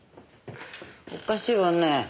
おかしいわね。